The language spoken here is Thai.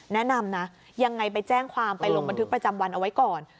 แนะนำนะยังไงไปแจ้งความไปลงบันทึกประจำวันเอาไว้ก่อน